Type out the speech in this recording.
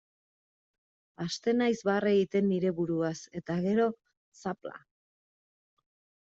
Hasten naiz barre egiten nire buruaz, eta gero, zapla.